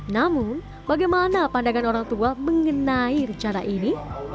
namun bagaimana pandangan orang tua mengenai rencana ini